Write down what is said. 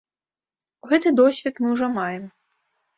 Гэты досвед мы ўжо маем.